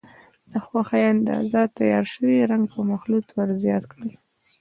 د خوښې اندازه تیار شوی رنګ په مخلوط ور زیات کړئ.